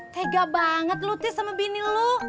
tega banget lu tis sama elu